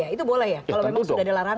itu boleh ya